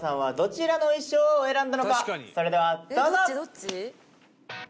それではどうぞ！